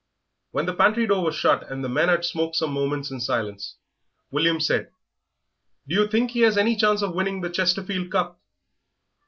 When the pantry door was shut, and the men had smoked some moments in silence, William said "Do you think he has any chance of winning the Chesterfield Cup?"